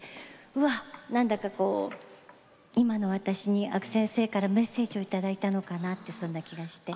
わあなんだかこう今の私に阿久先生からメッセージを頂いたのかなってそんな気がして。